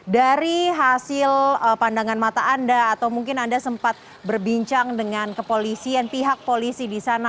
dari hasil pandangan mata anda atau mungkin anda sempat berbincang dengan kepolisian pihak polisi di sana